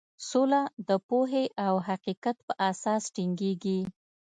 سوله د پوهې او حقیقت په اساس ټینګیږي.